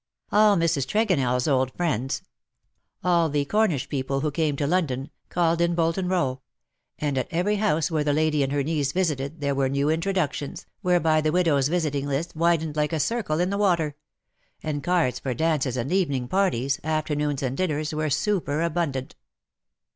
All Mrs. Tregoneirs old friends— all the 148 IN SOCIETY. Cornisli people who came to London — called in Bolton Row ; and at every house where the lady and her niece visited there were new introductions, whereby the widow^s visiting list widened like a circle in the water — and cards for dances and evening parties, afternoons and dinners were super abundant.